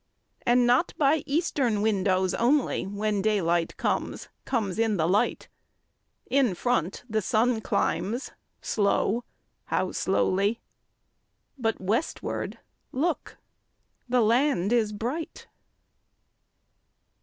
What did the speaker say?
And not by eastern windows only, When daylight comes, comes in the light; In front the sun climbs slow, how slowly! But westward, look, the land is bright!